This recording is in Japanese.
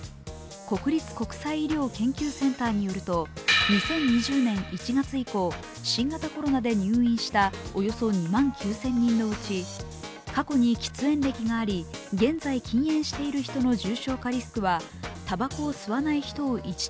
国立国際医療研究センターによると、２０２０年１月以降新型コロナで入院したおよそ２万９０００人のうち過去に喫煙歴があり、現在、禁煙している人の